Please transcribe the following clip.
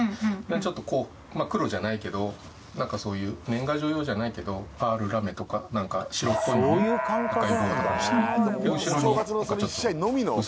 ちょっと黒じゃないけどなんかそういう年賀状用じゃないけどアールラメとかなんか白っぽいものに赤いボアとかして。